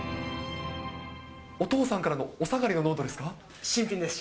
お父さんからのおさがりのノ新品でした。